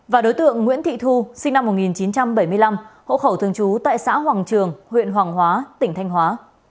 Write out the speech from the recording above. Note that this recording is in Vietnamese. và đối tượng nguyễn thị thu sinh năm một nghìn chín trăm bảy mươi năm hộ khẩu thường trú tại xã hoàng trường huyện hoàng hóa tỉnh thanh hóa